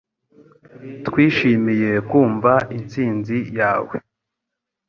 Twishimiye kumva intsinzi yawe